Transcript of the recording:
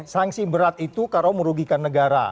sanksi berat itu kalau merugikan negara